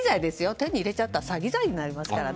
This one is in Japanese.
手に入れちゃったら詐欺罪になりますから。